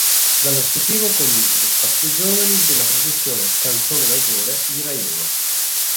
L'anno successivo conduce lo spazio giovani della trasmissione "Canzone d'autore" di Rai Uno.